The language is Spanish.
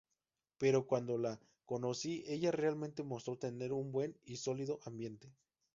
Pero cuando la conocí, ella realmente mostró tener un buen y sólido ambiente.